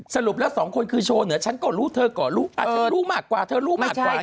สรุปแล้วสองคนคือโชว์เหนือฉันก็รู้เธอก็รู้อาจจะรู้มากกว่าเธอรู้มากกว่า